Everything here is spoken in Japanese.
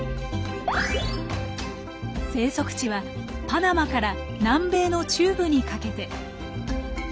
生息地はパナマから南米の中部にかけて。